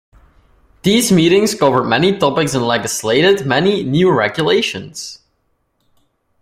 These meetings covered many topics and legislated many new regulations.